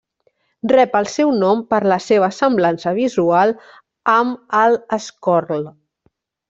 Rep el seu nom per la seva semblança visual amb el schorl.